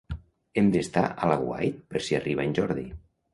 Hem d'estar a l'aguait per si arriba en Jordi.